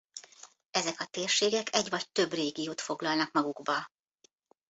Ezek a térségek egy vagy több régiót foglalnak magukba.